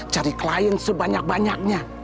cari klien sebanyak banyaknya